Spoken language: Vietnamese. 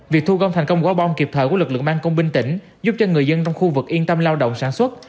việc thu gom thành công quả bom kịp thời của lực lượng mang công binh tỉnh giúp cho người dân trong khu vực yên tâm lao động sản xuất